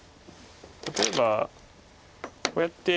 例えばこうやって。